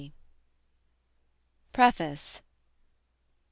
A. PREFACE.